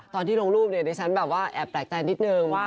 ตอนที่ลงรูปเนี่ยดิฉันแบบว่าแอบแปลกใจนิดนึงว่า